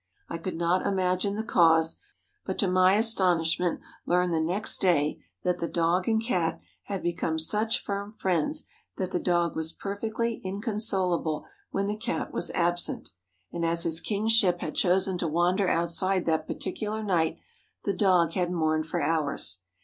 I could not imagine the cause, but to my astonishment learned the next day that the dog and Cat had become such firm friends that the dog was perfectly inconsolable when the Cat was absent, and as his kingship had chosen to wander outside that particular night, the dog had mourned for hours.